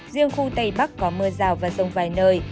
riêng khu tây bắc có mưa rào và rông vài nơi